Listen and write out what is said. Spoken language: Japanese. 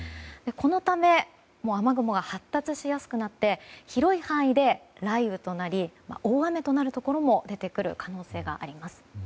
このため雨雲が発達しやすくなって広い範囲で雷雨となり大雨となるところも出てくる可能性があります。